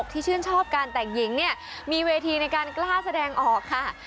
ที่ชื่นชอบการแต่งหญิงเนี่ยมีเวทีในการกล้าแสดงออกค่ะ